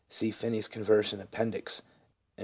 (See Finney's Conversion, Appendix and pp.